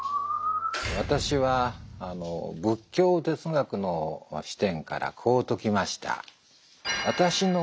私は仏教哲学の視点からこう解きました。